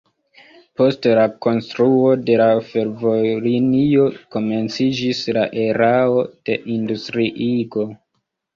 Post la konstruo de la fervojlinio komenciĝis la erao de industriigo.